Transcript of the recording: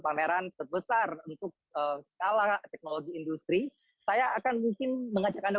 pameran terbesar untuk skala teknologi industri saya akan mungkin mengajak anda